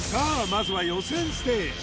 まずは予選ステージ